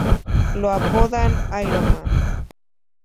Lo apodan "Iron Man".